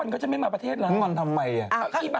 เขุ้งอนทำไมอะ